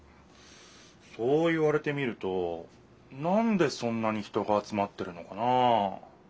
そう言われてみるとなんでそんなに人が集まってるのかなあ。